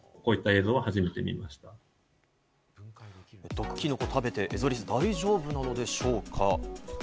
毒キノコを食べて、エゾリスは大丈夫なのでしょうか？